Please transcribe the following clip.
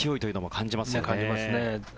感じますね。